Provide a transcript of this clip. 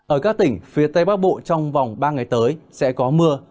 ở các tỉnh phía tây bắc bộ trong vòng ba ngày tới sẽ có mưa